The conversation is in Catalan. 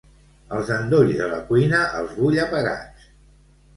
Els endolls de la cuina els vull apagats.